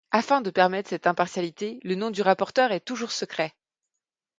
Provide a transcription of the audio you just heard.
Afin de permettre cette impartialité, le nom du rapporteur est toujours secret.